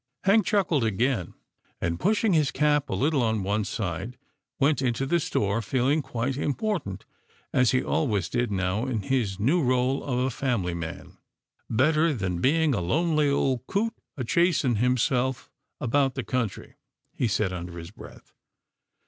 Hank chuckled again, and, pushing his cap a little on one side, went into the store, feeling quite important, as he always did now, in his new role of a family man. " Better than being a lonely old coot a chasing himself about the country," he said under his breath.